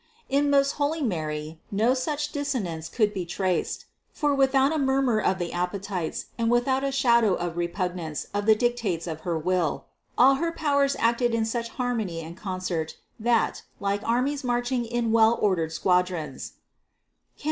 In most holy Mary no such dissonance could be traced ; for without a murmur of the appetites and without a shadow THE CONCEPTION 453 of repugnance of the dictates of her will, all her powers acted in such harmony and concert that, like armies marching in well ordered squadrons (Cant.